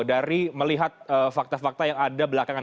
dari melihat fakta fakta yang ada belakangan